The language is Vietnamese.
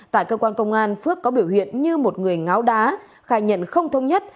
tại cơ quan công an phước có biểu hiện như một người ngáo đá khai nhận không thông nhất